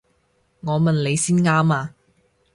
我問你先啱啊！